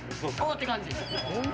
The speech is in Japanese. って感じ。